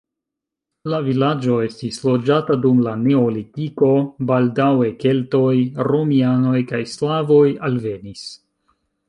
La vilaĝo estis loĝata dum la neolitiko, baldaŭe keltoj, romianoj kaj slavoj alvenis.